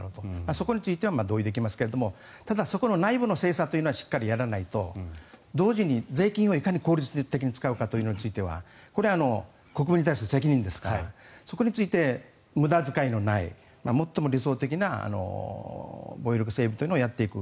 そこについては同意できますがただ、そこの内部の精査はしっかりやらないと同時に、税金をいかに効率的に使うかについてはこれは国民に対する責任ですからそこについて無駄遣いのない最も理想的な防衛力整備というのをやっていく。